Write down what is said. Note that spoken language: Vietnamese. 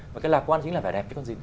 và cái lạc quan chính là vẻ đẹp cái con gì